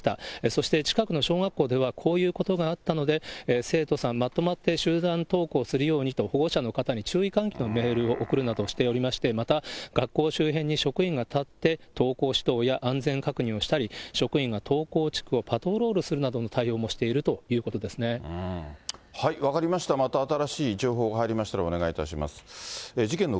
そして近くの小学校では、こういうことがあったので、生徒さんまとまって集団登校するようにと、保護者の方に注意喚起のメールを送るなどしておりまして、また学校周辺に職員が立って、登校して、親、安全確認をしたり、職員が登校地区をパトロールするなどの対応もしているということ分かりました、また新しい情報が入りましたら、お願いいたします。